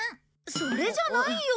それじゃないよ。